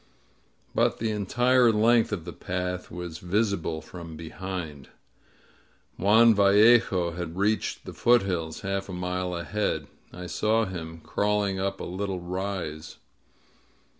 But the entire length of the path was visi ble from behind. Juan Yallejo had reached the foot hills, half a mile ahead. I saw him crawling up a little rise.